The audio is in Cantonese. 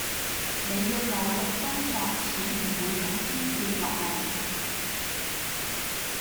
你要努力工作錢唔會從天跌落嚟